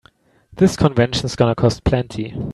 This convention's gonna cost plenty.